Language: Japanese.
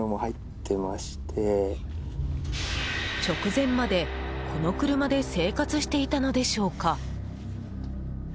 直前まで、この車で生活していたのでしょうか。